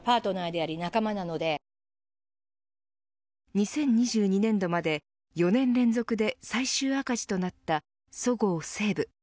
２０２２年度まで４年連続で最終赤字となったそごう・西武。